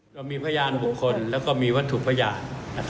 เรามีพยานบุคคลแล้วก็มีวัตถุพยาน